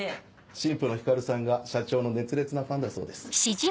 新婦のひかるさんが社長の熱烈なファンだそうです。